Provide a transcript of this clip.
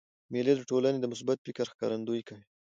مېلې د ټولني د مثبت فکر ښکارندویي کوي.